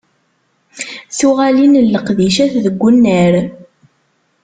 Tuɣalin n leqdicat deg unnar.